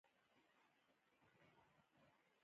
وربشې د افغانستان یوه پخوانۍ غله ده.